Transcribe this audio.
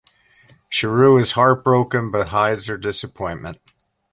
Charu is heartbroken but hides her disappointment.